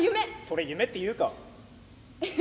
「それ夢って言うかあ？」。